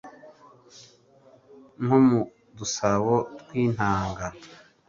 nko mu dusabo tw'intanga.